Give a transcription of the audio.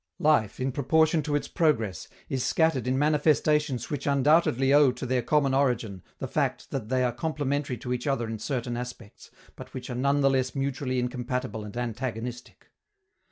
Life, in proportion to its progress, is scattered in manifestations which undoubtedly owe to their common origin the fact that they are complementary to each other in certain aspects, but which are none the less mutually incompatible and antagonistic.